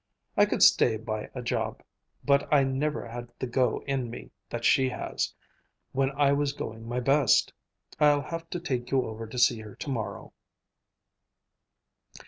I could stay by a job, but I never had the go in me that she has, when I was going my best. I'll have to take you over to see her to morrow."